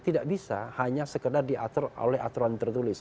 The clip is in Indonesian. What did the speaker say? tidak bisa hanya sekedar diatur oleh aturan tertulis